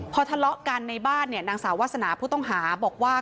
พอทะเลาะกันในบ้านเนี่ยนางสาววาสนาผู้ต้องหาบอกว่า